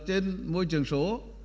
trên môi trường số